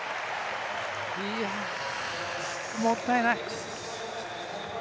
いや、もったいない。